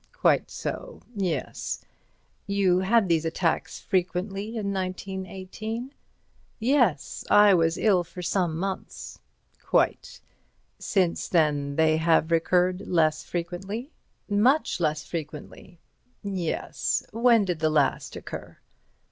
"Quite so. Yes. You had these attacks frequently in 1918?" "Yes—I was very ill for some months." "Quite. Since then they have recurred less frequently?" "Much less frequently." "Yes—when did the last occur?"